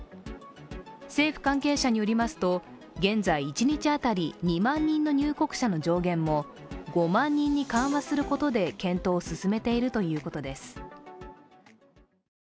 政府関係者によりますと現在一日当たり２万人の入国者の上限も５万人に緩和することで検討を進めているということです。